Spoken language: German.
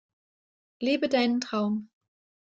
Lebe deinen Traum!